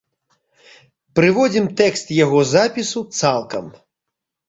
Прыводзім тэкст яго запісу цалкам.